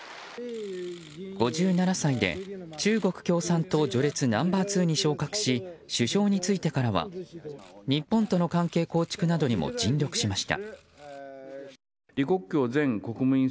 ５７歳で中国共産党序列ナンバー２に昇格し、首相に就いてからは日本との関係構築などにも尽力しました。